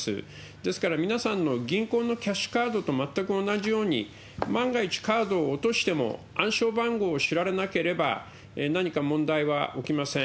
ですから、皆さんの銀行のキャッシュカードと全く同じように、万が一、カードを落としても、暗証番号を知られなければ、何か問題は起きません。